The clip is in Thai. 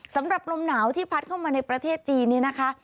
สำหรับลมหนาวที่พัดเข้ามาในประเทศจีนเนี่ยนะคะ